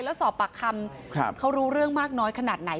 แล้วสอบปากคำเขารู้เรื่องมากน้อยขนาดไหน